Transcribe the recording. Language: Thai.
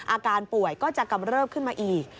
อาการป่วยก็จะกำเริบขึ้นมาอีก